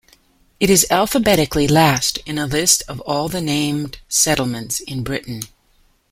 It is alphabetically last in a list of all the named settlements in Britain.